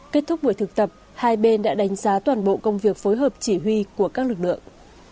kết thúc buổi thực tập hai bên đã đánh giá toàn bộ công việc phối hợp chỉ huy của các lực lượng